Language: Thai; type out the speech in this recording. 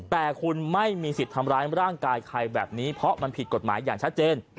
แต่คุณไม่มีสิทธิ์ทำร้ายร่างกายใครแบบนี้เพราะมันผิดกฎหมายอย่างชัดเจน